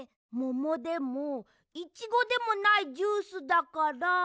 モモでもイチゴでもないジュースだから。